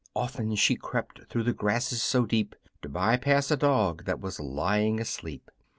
Often she crept through the grasses so deep To pass by a dog that was lying asleep.